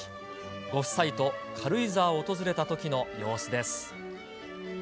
ご夫妻と軽井沢を訪れたときの様子です。